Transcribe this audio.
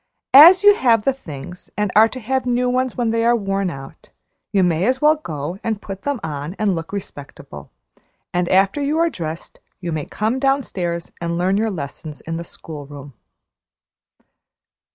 As you have the things and are to have new ones when they are worn out, you may as well go and put them on and look respectable; and after you are dressed, you may come downstairs and learn your lessons in the school room."